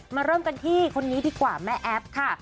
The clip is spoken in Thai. เริ่มกันที่คนนี้ดีกว่าแม่แอฟค่ะ